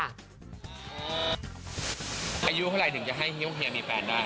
อายุเท่าไหร่ถึงจะให้เฮียวเฮียมีแฟนได้